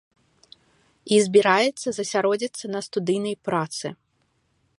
І збіраецца засяродзіцца на студыйнай працы.